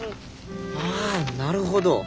ああなるほど。